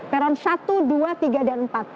peron satu dua tiga dan empat